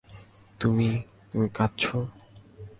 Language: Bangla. তুমি, তুমি কি কাঁদছো?